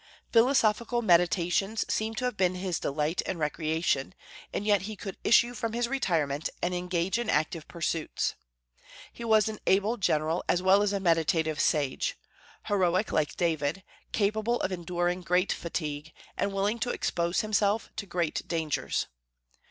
Philosophical meditations seem to have been his delight and recreation; and yet he could issue from his retirement and engage in active pursuits. He was an able general as well as a meditative sage, heroic like David, capable of enduring great fatigue, and willing to expose himself to great dangers.